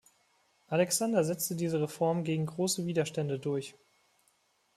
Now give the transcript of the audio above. Alexander setzte diese Reformen gegen große Widerstände durch.